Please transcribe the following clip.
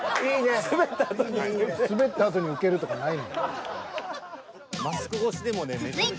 スベったあとにウケるとかないねん。